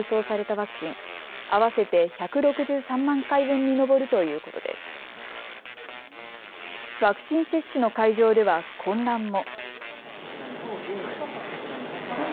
ワクチン接種の会場では混乱も。